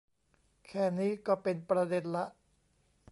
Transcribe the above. แค่นี้ก็เป็นประเด็นละ